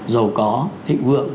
giàu có thịnh vượng